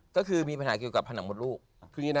ก็คือมีปัญหาเกี่ยวกับผนักมดลูก